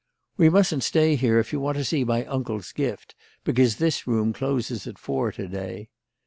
"We mustn't stay here if you want to see my uncle's gift, because this room closes at four to day."